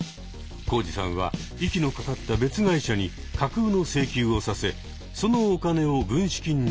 コウジさんは息のかかった別会社に架空の請求をさせそのお金を軍資金にしていた。